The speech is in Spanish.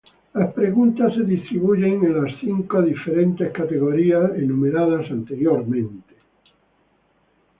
Las preguntas se distribuyen en las cinco diferentes categorías enumeradas anteriormente.